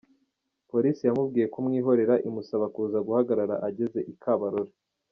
Polisi yamubwiye kumwihorera, imusaba kuza guhagarara ageze i Kabarore.